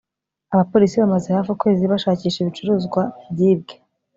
Abapolisi bamaze hafi ukwezi bashakisha ibicuruzwa byibwe